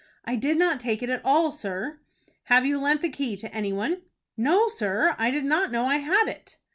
"I did not take it at all, sir." "Have you lent the key to any one?" "No, sir. I did not know I had it."